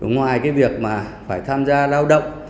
ngoài cái việc mà phải tham gia lao động